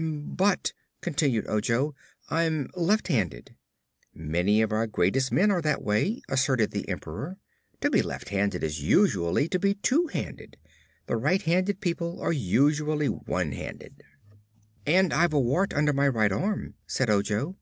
"But," continued Ojo, "I'm left handed." "Many of our greatest men are that way," asserted the Emperor. "To be left handed is usually to be two handed; the right handed people are usually one handed." "And I've a wart under my right arm," said Ojo.